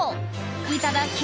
いただき！